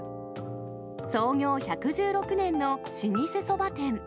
創業１１６年の老舗そば店。